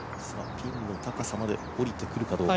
ピンの高さまでおりてくるかどうか。